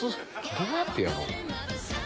どうやってやんの？